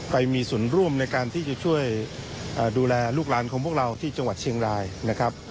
ไปมีส่วนร่วมในการที่จะช่วยดูแลลูกหลานของพวกเราที่จังหวัดเชียงรายนะครับ